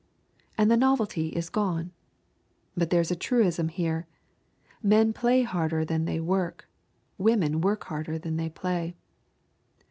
And the novelty is gone. But there's a truism here: Men play harder than they work; women work harder than they play.